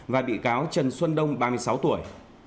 và bị cáo trần xuân đông ba mươi sáu tuổi